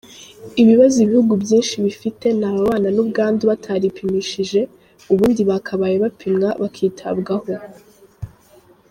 Ibibazo ibihugu byinshi bifite ni ababana n’ubwandu bataripimishije, ubundi bakabaye bapimwa bakitabwaho.